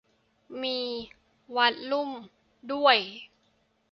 มี วัดลุ่ม ด้วย !